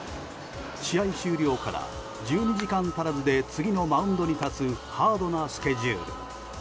試合終了から、１２時間足らずで次のマウンドに立つハードなスケジュール。